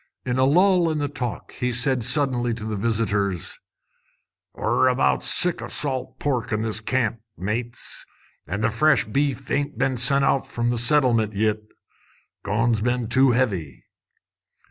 In a lull in the talk he said suddenly to the visitors "We're about sick o' salt pork in this camp, mates, an' the fresh beef ain't been sent out from the Settlement yit. Coin's been too heavy.